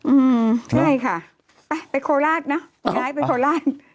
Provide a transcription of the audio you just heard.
อืมใช่ค่ะไปโคลาศนะย้ายไปโคลาศ